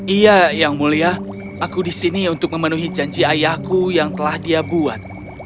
iya yang mulia aku disini untuk memenuhi janji ayahku yang telah dia buat